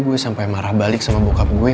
gue sampai marah balik sama bokap gue